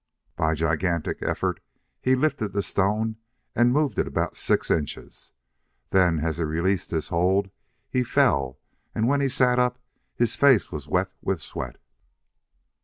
By gigantic effort he lifted the stone and moved it about six inches. Then as he released his hold he fell, and when he sat up his face was wet with sweat.